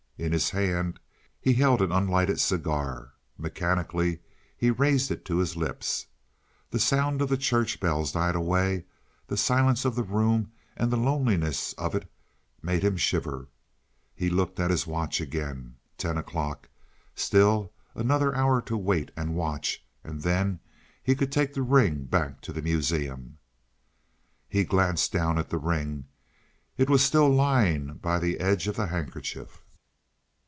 In his hand he held an unlighted cigar; mechanically he raised it to his lips. The sound of the church bells died away; the silence of the room and the loneliness of it made him shiver. He looked at his watch again. Ten o'clock! Still another hour to wait and watch, and then he could take the ring back to the Museum. He glanced down at the ring; it was still lying by the edge of the handkerchief.